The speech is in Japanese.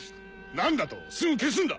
何だと⁉すぐ消すんだ！